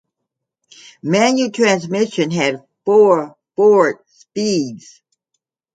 Manual transmission had four forward speeds.